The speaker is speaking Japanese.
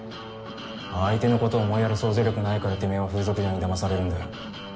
「相手のことを思いやる想像力ないからてめぇは風俗嬢にだまされるんだよ」。